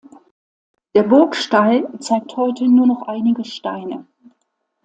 Der Burgstall zeigt heute nur noch einige Steine.